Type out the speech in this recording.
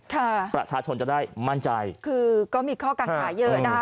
ค่ะประชาชนจะได้มั่นใจคือก็มีข้อกังขาเยอะนะคะ